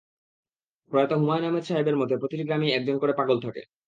প্রয়াত হুমায়ূন আহমেদ সাহেবের মতে, প্রতিটি গ্রামেই একজন করে পাগল থাকে।